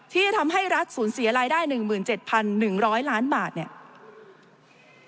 ที่ทำให้รัฐสูญเสียรายได้๑๗๑๐๐ล้านบาทเนี่ย